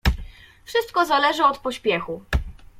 "Wszystko zależy od pośpiechu."